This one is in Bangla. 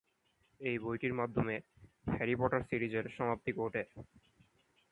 এ বইটির মাধ্যমে হ্যারি পটার সিরিজের সমাপ্তি ঘটে।